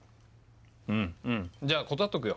うんうんじゃあ断っとくよ。